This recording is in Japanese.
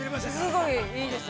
◆すごいいいです。